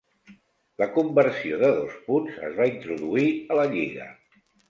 La conversió de dos punts es va introduir a la lliga.